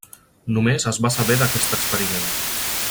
Només es va saber d'aquest experiment.